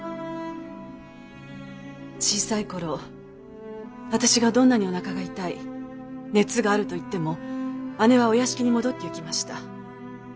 小さいころ私がどんなにおなかが痛い熱があると言っても姉はお屋敷に戻ってゆきました。